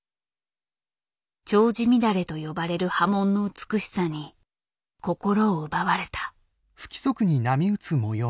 「丁子乱れ」と呼ばれる刃文の美しさに心を奪われた。